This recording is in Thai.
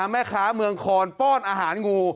แม่ค้าเมืองคอนป้อนอาหารงู